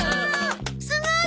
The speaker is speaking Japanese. すごい。